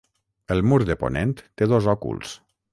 El mur de ponent té dos òculs.